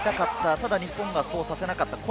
でも日本がそうさせなかった。